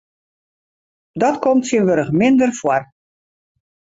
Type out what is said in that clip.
Dat komt tsjintwurdich minder foar.